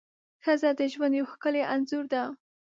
ښځه د ژوند یو ښکلی انځور ده.